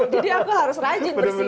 jadi aku harus rajin bersih